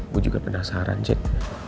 gue juga penasaran cik